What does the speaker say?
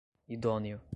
idôneo